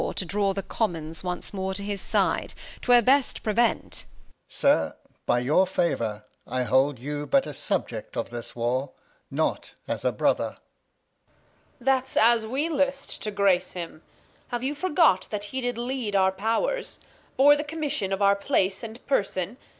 To draw the Commons once more to his Side, 'Twere best prevent Alb. Sir, by your Favour, I hold you but a Subject of this War, Not as a Brother. Reg. That's as we list to Grace him. Have you forgot that He did lead our Pow'rs ; Bore the Commission of our Place and Person